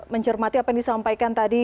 mencermati apa yang disampaikan tadi